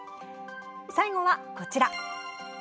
最後は、こちら。